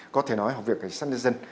có thể nói học viện cảnh sát nhân dân